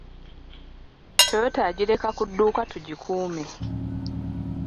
Toyota yagitereka ku dduuka tugikuume.